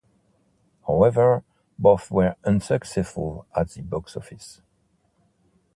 However, both were unsuccessful at the box office.